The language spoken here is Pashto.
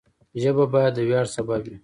ژبه باید د ویاړ سبب وي.